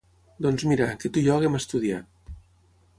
Doncs mira, que tu i jo haguem estudiat.